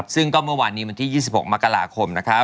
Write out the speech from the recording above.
ซึ่งก็เมื่อวานนี้วันที่๒๖มกราคมนะคะ